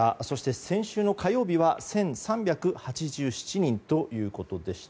先週火曜日は１３８７人ということでした。